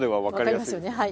分かりますよね。